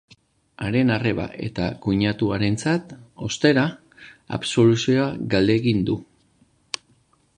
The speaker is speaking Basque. Haren arreba eta koinatuarentzat, ostera, absoluzioa galdegin du.